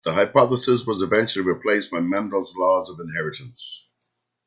The hypothesis was eventually replaced by Mendel's laws of inheritance.